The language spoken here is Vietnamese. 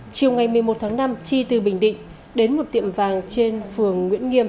chiều ngày một mươi một tháng năm chi từ bình định đến một tiệm vàng trên phường nguyễn nghiêm